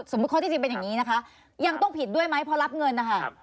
ข้อที่จริงเป็นอย่างนี้นะคะยังต้องผิดด้วยไหมพอรับเงินนะคะ